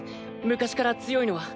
昔から強いのは。